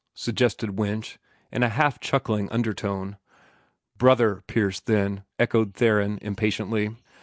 suggested Winch, in a half shuckling undertone. "Brother Pierce, then!" echoed Theron, impatiently.